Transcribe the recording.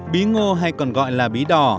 bí ngô hay còn gọi là bí đỏ